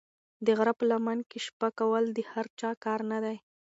د غره په لمن کې شپه کول د هر چا کار نه دی.